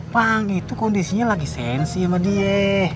pang itu kondisinya lagi sensi sama dia